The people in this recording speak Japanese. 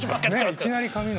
いきなり髪の。